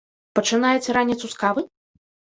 Пачынаеце раніцу з кавы?